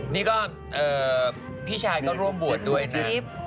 นี่ก็พี่ชายก็ร่วมบวชด้วยนะ